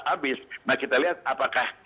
habis nah kita lihat apakah